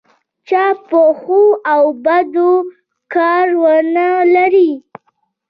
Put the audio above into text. چا په ښو او بدو کار ونه لري.